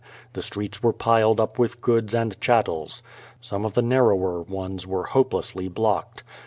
The streets were piled up with goods and chattels. Some of the narrower ones were hopelessly blocked.